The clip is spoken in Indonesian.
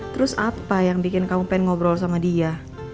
terus apa yang bikin kamu pengen ngobrol sama dia